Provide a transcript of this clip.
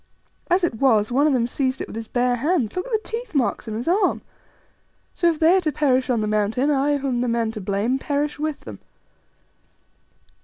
As it was, one of them seized it with his bare hands: look at the teeth marks on his arm. So if they are to perish on the Mountain, I, who am the man to blame, perish with them."